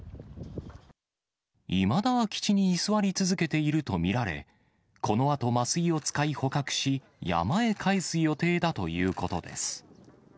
いまだ空き地に居座り続けていると見られ、このあと麻酔を使い捕獲し、山へかえす予定だということです。